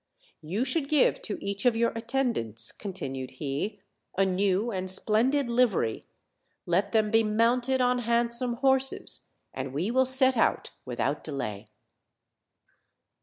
You should give to each of your at tendants," continued he, "a new and splendid livery, let them be mounted on handsome horses, and we will set out without delay."